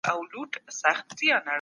د الله تعالی وېره په زړه کي وساتئ.